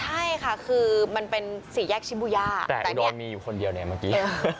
ใช่ค่ะคือมันเป็นสี่แยกชิบูย่าแต่โดนมีอยู่คนเดียวเนี่ยเมื่อกี้